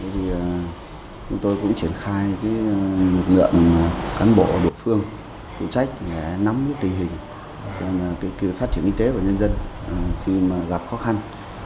vì tôi cũng triển khai cái mục nhận cán bộ đối phương phụ trách để nắm nhất tình hình cho cái phát triển y tế của nhân dân khi mà gặp khó khăn